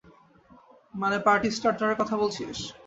মানে, পার্টি স্টার্টারের কথা বলছিস?